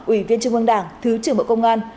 ủy viên trung ương đảng thứ trưởng bộ công an